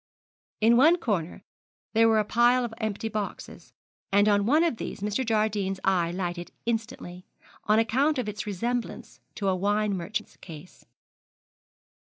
In one corner there were a pile of empty boxes, and on one of these Mr. Jardine's eye lighted instantly, on account of its resemblance to a wine merchant's case.